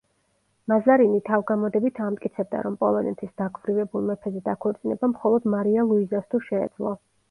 მაზარინი თავგამოდებით ამტკიცებდა, რომ პოლონეთის დაქვრივებულ მეფეზე დაქორწინება მხოლოდ მარია ლუიზას თუ შეეძლო.